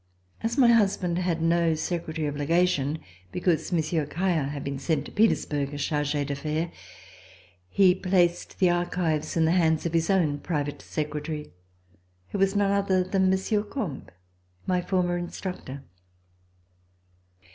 As my husband had no secretary of legation, because Monsieur Caillard had been sent to Petersbourg as charge d'affaires, he placed the archives in the hands of his own private secretary, who was none other than Monsieur Combes, my former instructor.